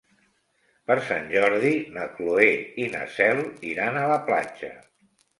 Per Sant Jordi na Cloè i na Cel iran a la platja.